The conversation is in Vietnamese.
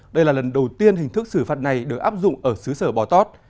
đây là lần đầu tiên hình thức xử phạt này được áp dụng ở xứ sở bò tót